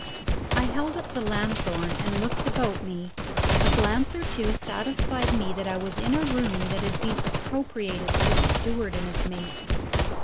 I held up the lanthorn and looked about me. A glance or two satisfied me that I was in a room that had been appropriated to the steward and his mates.